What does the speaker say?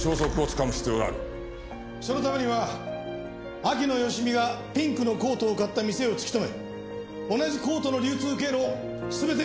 そのためには秋野芳美がピンクのコートを買った店を突き止め同じコートの流通経路を全て洗い出せ。